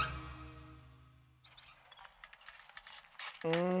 うん